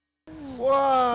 engga tapi dia enggak tahu